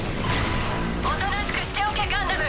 おとなしくしておけガンダム。